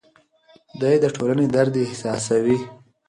دی د ټولنې درد احساسوي.